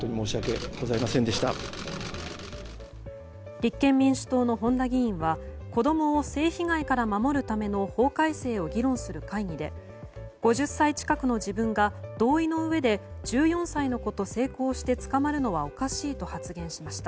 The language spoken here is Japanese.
立憲民主党の本多議員は子供を性被害から守るための法改正を議論する会議で５０歳近くの自分が同意のうえで１４歳の子と性交して捕まるのはおかしいと発言しました。